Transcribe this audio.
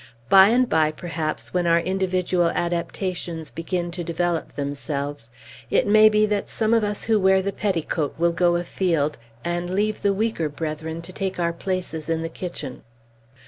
By and by, perhaps, when our individual adaptations begin to develop themselves, it may be that some of us who wear the petticoat will go afield, and leave the weaker brethren to take our places in the kitchen."